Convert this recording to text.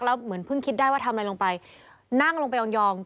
แล้วเหมือนพึ่งคิดได้ว่าทำเมื่อลงไป